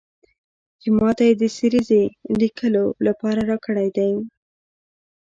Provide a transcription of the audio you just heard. چې ماته یې د سریزې لیکلو لپاره راکړی دی.